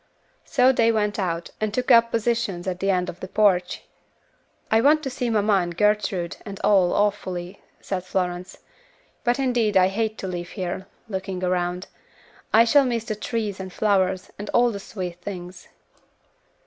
So they went out and took up positions at the end of the porch. "I want to see mamma and Gertrude, and all, awfully," said Florence, "but, indeed I hate to leave here," looking around. "I shall miss the trees, and flowers, and all the sweet things."